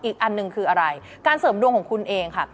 อีกอันหนึ่งคืออะไรการเสริมดวงของคุณเองค่ะ